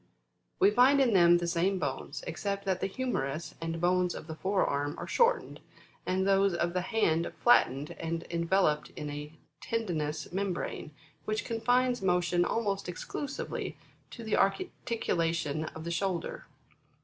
We find in them the same bones, except that the humerus and bones of the fore arm are shortened, and those of the hand flattened and enveloped in a tendinous membrane, which confines motion almost exclusively to the articulation of the shoulder.